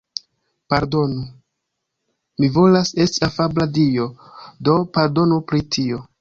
Pardonu. Mi volas esti afabla dio, do, pardonu pri tio.